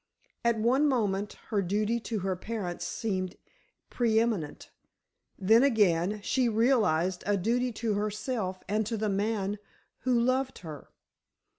At one moment her duty to her parents seemed preëminent. Then, again, she realized a duty to herself and to the man who loved her.